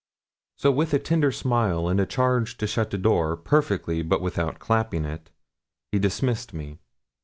So with a tender smile, and a charge to shut the door 'perfectly, but without clapping it,' he dismissed me.